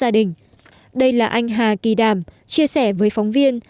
đây là anh hà kỳ đàm chia sẻ với phóng viên